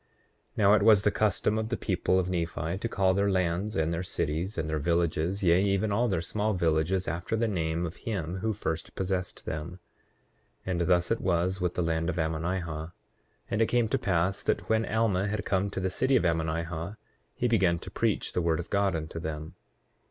8:7 Now it was the custom of the people of Nephi to call their lands, and their cities, and their villages, yea, even all their small villages, after the name of him who first possessed them; and thus it was with the land of Ammonihah. 8:8 And it came to pass that when Alma had come to the city of Ammonihah he began to preach the word of God unto them.